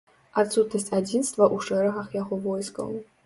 Адсутнасць адзінства ў шэрагах яго войскаў.